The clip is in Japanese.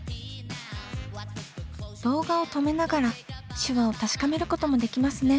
動画を止めながら手話を確かめることもできますね。